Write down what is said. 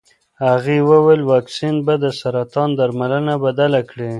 هغې وویل واکسین به د سرطان درملنه بدله کړي.